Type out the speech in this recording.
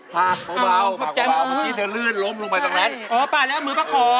ป่าเบาเดี๋ยวเธอลื่นล้มลงไปตรงนั้นอ๋อป่าแหละมือปะของ